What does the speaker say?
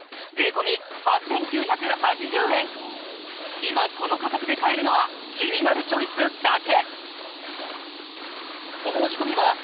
今この価格で買えるのは「キニナルチョイス」だけ！